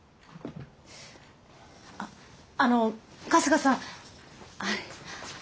あっあの春日さん。